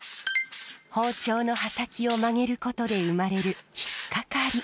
包丁の刃先を曲げることで生まれるひっかかり。